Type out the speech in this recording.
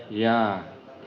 di salah satu media